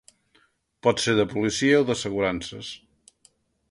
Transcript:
Pot ser de policia o d'assegurances.